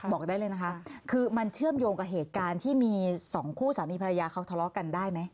บอกได้เลยนะคะคือมันเชื่อมโยงกับเหตุการณ์ที่มีสองคู่สามีภรรยาเขาทะเลาะกันได้ไหม